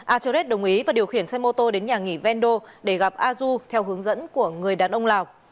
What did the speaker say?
aterres đồng ý và điều khiển xe mô tô đến nhà nghỉ vendo để gặp a du theo hướng dẫn của người đàn ông lào